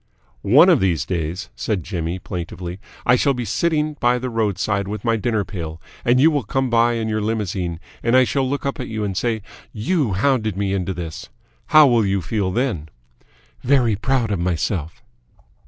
"One of these days," said Jimmy plaintively, "I shall be sitting by the roadside with my dinner pail, and you will come by in your limousine, and I shall look up at you and say 'You hounded me into this!' How will you feel then?" "Very proud of myself."